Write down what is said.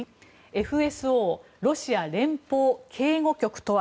ＦＳＯ・ロシア連邦警護局とは。